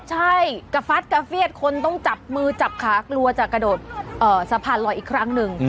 ใช่กระฟัดกระเฟียดคนต้องจับมือจับขากลัวจะกระโดดสะพานลอยอีกครั้งหนึ่ง